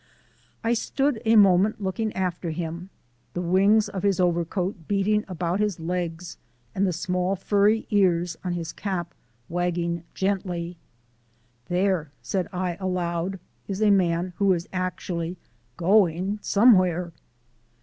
I stood a moment looking after him the wings of his overcoat beating about his legs and the small furry ears on his cap wagging gently. "There," said I aloud, "is a man who is actually going somewhere."